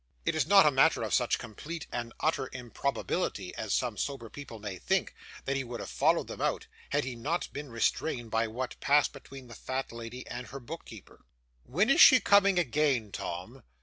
It is not a matter of such complete and utter improbability as some sober people may think, that he would have followed them out, had he not been restrained by what passed between the fat lady and her book keeper. 'When is she coming again, Tom?